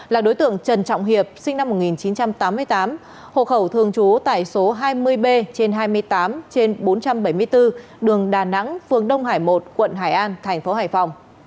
là đối tượng trần trọng hiệp sinh năm một nghìn chín trăm tám mươi tám hộ khẩu thường trú tại số hai mươi b trên hai mươi tám trên bốn trăm bảy mươi bốn đường đà nẵng phường đông hải một quận hải an thành phố hải phòng